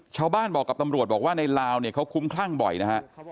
ชาวบ้านบอกกับตำรวจบอกว่าในลาวเนี่ยเขาคุ้มคลั่งบ่อยนะฮะ